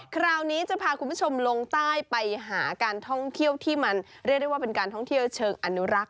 คราวนี้จะพาคุณผู้ชมลงใต้ไปหาการท่องเที่ยวที่มันเรียกได้ว่าเป็นการท่องเที่ยวเชิงอนุรักษ